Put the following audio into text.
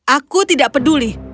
aku tidak peduli